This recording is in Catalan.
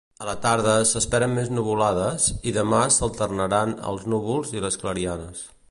A la tarda s'esperen més nuvolades, i demà s'alternaran els núvols i les clarianes.